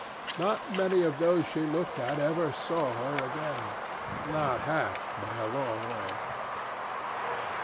Not many of those she looked at ever saw her again not half, by a long way.